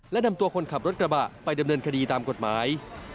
และนำตัวคนขับรถกระบะไปดำเนินคดีตามกฎหมาย